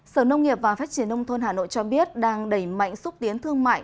sở nông nghiệp và phát triển nông thôn hà nội cho biết đang đẩy mạnh xúc tiến thương mại